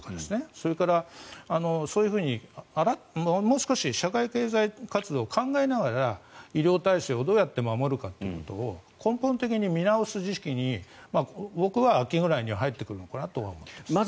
それから、そういうふうにもう少し社会経済活動を考えながら、医療体制をどうやって守るかということを根本的に見直す時期に僕は秋ぐらいに入ってくるのかなとは思っています。